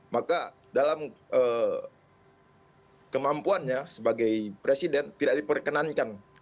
maka dalam kemampuannya sebagai presiden tidak diperkenankan